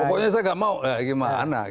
pokoknya saya enggak mau gimana gitu